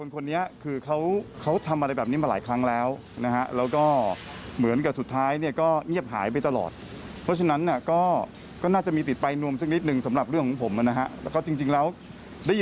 แต่ว่าครั้งแรกเราก็รู้สึกว่ามันเป็นสิ่งที่คุณก็ทำด้วย